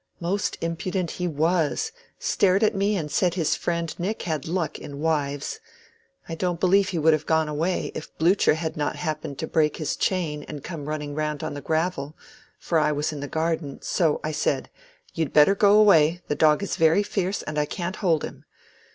Most impudent he was!—stared at me, and said his friend Nick had luck in wives. I don't believe he would have gone away, if Blucher had not happened to break his chain and come running round on the gravel—for I was in the garden; so I said, 'You'd better go away—the dog is very fierce, and I can't hold him.